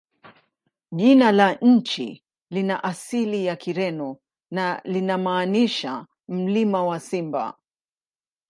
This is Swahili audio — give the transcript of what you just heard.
Jina la nchi lina asili ya Kireno na linamaanisha "Mlima wa Simba".